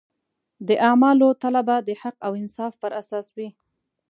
د اعمالو تله به د حق او انصاف پر اساس وي.